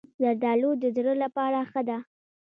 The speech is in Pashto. زردالو د زړه لپاره ښه ده.